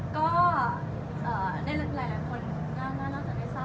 ก็ได้แรกคนน่าจะได้ทราบ